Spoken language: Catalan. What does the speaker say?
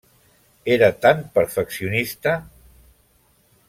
Era tan perfeccionista.